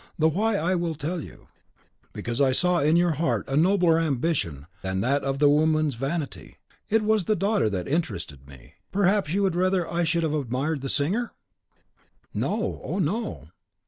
The WHY I will tell you: because I saw in your heart a nobler ambition than that of the woman's vanity; it was the daughter that interested me. Perhaps you would rather I should have admired the singer?" "No; oh, no!"